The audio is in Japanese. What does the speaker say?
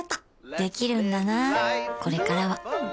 できるんだなこれからはん！